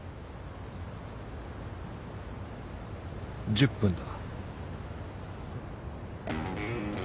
１０分だ。